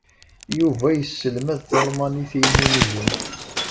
Yuba yesselmad talmanit i yiminigen.